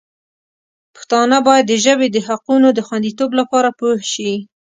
پښتانه باید د ژبې د حقونو د خوندیتوب لپاره پوه شي.